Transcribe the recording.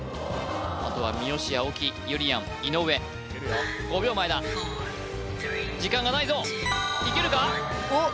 あとは三好青木ゆりやん井上５秒前だ時間がないぞいけるか？